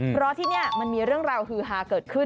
เพราะที่นี่มันมีเรื่องราวฮือฮาเกิดขึ้น